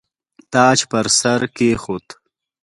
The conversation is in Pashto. تاج پر سر کښېښود.